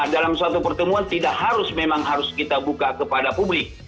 dalam suatu pertemuan tidak harus memang harus kita buka kepada publik